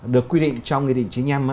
được quy định trong nghị định chín mươi năm